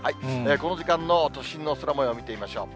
この時間の都心の空もよう、見てみましょう。